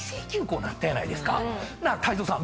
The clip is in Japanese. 泰造さん